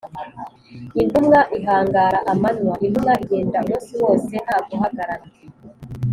intumwa ihangara amanywa: intumwa igenda umunsi wose nta guhagarara